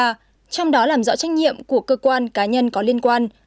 trong đó làm rõ trách nhiệm của cơ quan cá nhân có liên quan